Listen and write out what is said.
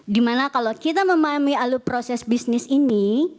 dimana kalau kita memahami alur proses bisnis ini